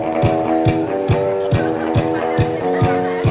ขอบคุณครับ